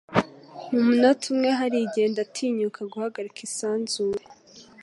Mu munota umwe hari igihe Ndatinyuka Guhagarika isanzure?